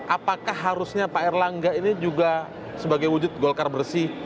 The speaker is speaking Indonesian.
apakah harusnya pak erlangga ini juga sebagai wujud golkar bersih